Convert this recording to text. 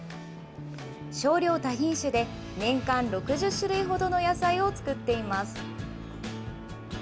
少量多品種で、年間６０種類ほどの野菜を作っています。